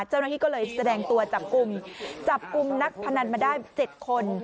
เจ้าหน้าที่ก็เลยแสดงตัวจับกลุ่มจับกลุ่มนักพนันมาได้๗คน